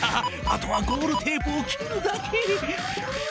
あとはゴールテープを切るだけ。